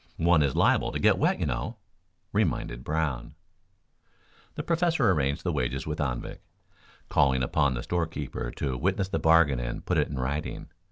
One is liable to get wet, you know," reminded Brown. The Professor arranged the wages with Anvik, calling upon the store keeper to witness the bargain and put it in writing.